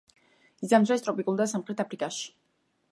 იზამთრებს ტროპიკულ და სამხრეთ აფრიკაში.